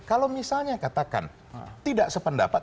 kalau misalnya katakan tidak sependapat